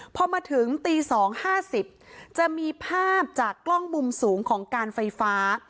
พอมาถึงตี๒๕๐จะมีภาพจากกล้องมุมสูงของการไฟฟ้า